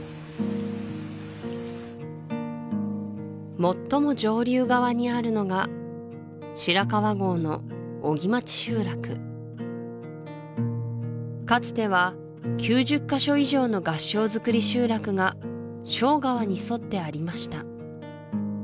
最も上流側にあるのがかつては９０カ所以上の合掌造り集落が庄川に沿ってありました